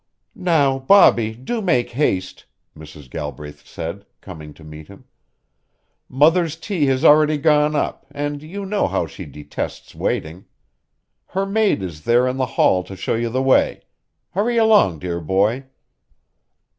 "Now, Bobbie, do make haste," Mrs. Galbraith said, coming to meet him. "Mother's tea has already gone up, and you know how she detests waiting. Her maid is there in the hall to show you the way. Hurry along, dear boy."